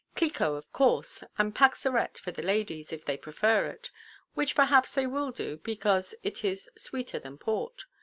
Clicquot, of course, and Paxarette for the ladies, if they prefer it; which perhaps they will do because it is sweeter than port.